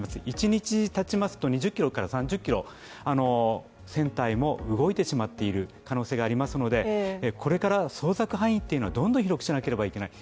１日たちますと２０ｋｍから３０ｋｍ、船体も動いてしまっている可能性もありますのでこれから捜索範囲というのはどんどん広くしなければいけない。